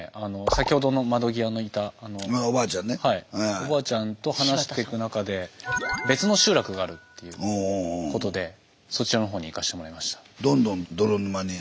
おばあちゃんと話していく中で「別の集落がある」っていうことでそちらの方に行かしてもらいました。